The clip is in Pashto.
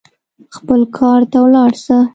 خپل کار ته ولاړ سه.